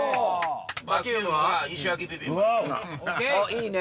いいね！